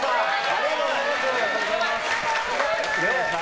ありがとうございます。